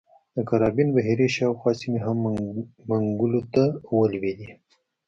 د کارابین بحیرې شاوخوا سیمې هم منګولو ته ولوېدې.